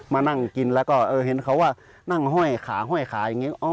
มานั่งกินแล้วก็เห็นเขาว่านั่งห้อยขาห้อยขาอย่างนี้